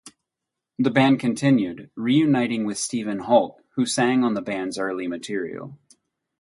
The band continued, re-uniting with Stephen Holt who sang on the band's early material.